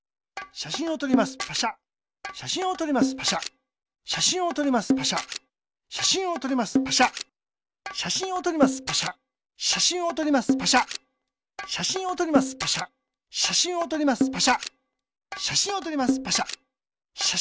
しゃしんをとりますパシャ。